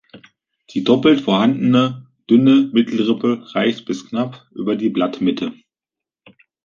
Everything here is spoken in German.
Die doppelt vorhandene, dünne Mittelrippe reicht bis knapp über die Blattmitte.